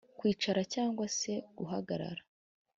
kwicara cyangwa se guhagarara